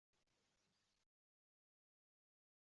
Toʼya olmasman sira.